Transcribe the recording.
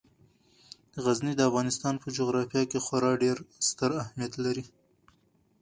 غزني د افغانستان په جغرافیه کې خورا ډیر ستر اهمیت لري.